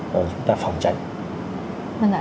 chúng ta phòng tránh